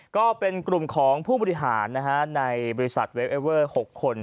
ก็เป็นกลุ่มของผู้บริหารในบริษัทเวฟเอเวอร์๖คน